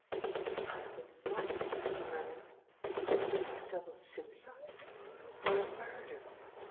"Husband and wife," he murmured. "Is it a double suicide? Or a murder?